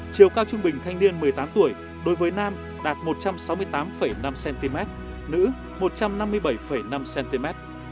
chiều cao trung bình thanh niên một mươi tám tuổi đối với nam đạt một trăm sáu mươi tám năm cm nữ một trăm năm mươi bảy năm cm